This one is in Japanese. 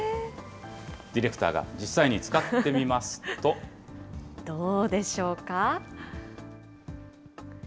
ディレクターが実際に使ってみまどうでしょうか。